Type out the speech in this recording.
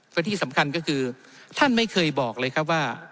และที่สำคัญก็คือท่านไม่เคยบอกเลยครับว่า